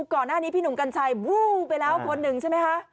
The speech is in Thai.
ก่อนหน้านี้พี่หนุ่มกัญชัยวู้ไปแล้วคนหนึ่งใช่ไหมคะ